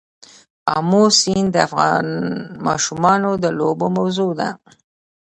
آمو سیند د افغان ماشومانو د لوبو موضوع ده.